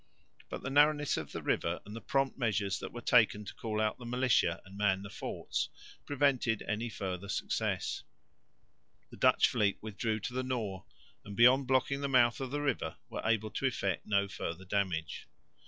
But the narrowness of the river and the prompt measures that were taken to call out the militia and man the forts prevented any further success. The Dutch fleet withdrew to the Nore and, beyond blocking the mouth of the river, were able to effect no further damage.